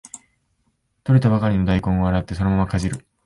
採れたばかりの大根を洗ってそのままかじる